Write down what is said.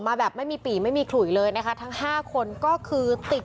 แบบไม่มีปี่ไม่มีขลุยเลยนะคะทั้งห้าคนก็คือติด